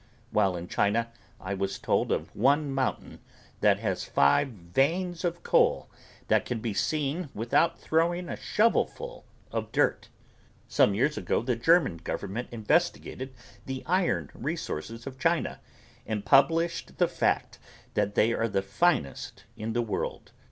While in China I was told of one mountain that has five veins of coal that can be seen without throwing a shovelful of dirt. Some years ago the German government investigated the iron resources of China and published the fact that they are the finest in the world.